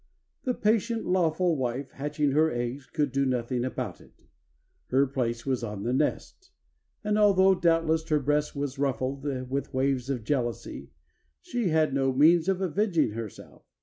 The patient, lawful wife, hatching her eggs, could do nothing about it. Her place was on the nest, and although doubtless her breast was ruffled with waves of jealousy, she had no means of avenging herself.